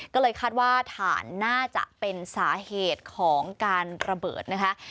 ก็เลยคาดว่าฐานน่าจะเป็นสาเหตุของการระเบิดนะคะ